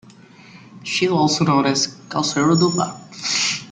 She is also known as Kalseru-Dupa.